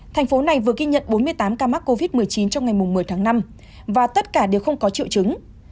thành phố này vừa ghi nhận bốn mươi tám ca mắc covid một mươi chín trong ngày một mươi tháng năm và tất cả đều không có triệu chứng